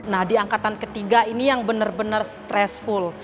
nah di angkatan ketiga ini yang bener bener stressfull